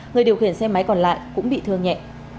người điều khiển xe máy còn lại cũng bị thương nhẹ